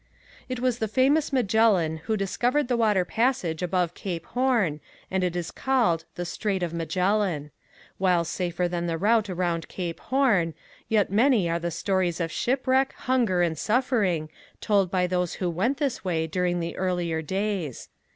It was the famous Magellan who discovered the water passage above Cape Horn and it is called the Strait of Magellan. While safer than the route around Cape Horn, yet many are the stories of shipwreck, hunger and suffering told by those who went this way during the earlier days.